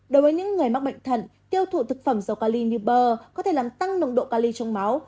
đối với những người mắc bệnh thận tiêu thụ thực phẩm dầu cali như bơ có thể làm tăng nông độ cali trong máu